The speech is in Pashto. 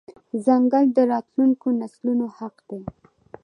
ځنګل د راتلونکو نسلونو حق دی.